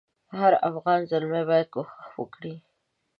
هر افغان زلمی باید کوښښ وکړي.